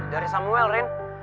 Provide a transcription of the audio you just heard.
dari samuel rin